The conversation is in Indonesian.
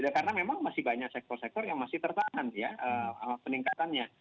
karena memang masih banyak sektor sektor yang masih tertahan ya peningkatannya